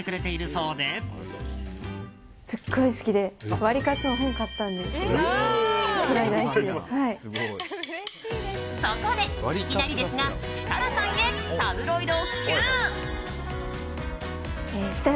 そこでいきなりですが設楽さんへタブロイドＱ！